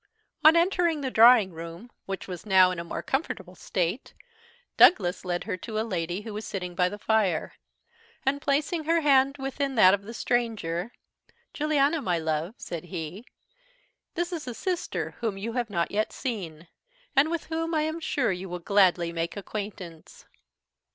On entering the drawing room, which was now in a more comfortable state, Douglas led her to a lady who was sitting by the fire: and, placing her hand within that of the stranger, "Juliana, my love," said he, "this is a sister whom you have not yet seen, a with whom I am sure you will gladly make acquaintance."